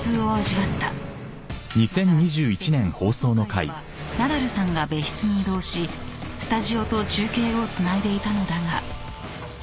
［また別の放送回ではナダルさんが別室に移動しスタジオと中継をつないでいたのだが］